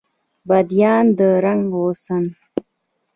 بیدیا د رنګ او حسن